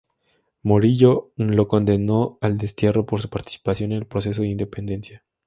Morillo lo condenó al destierro por su participación en el proceso de independencia.